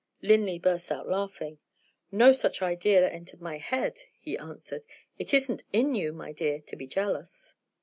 Linley burst out laughing. "No such idea entered my head," he answered. "It isn't in you, my dear, to be jealous."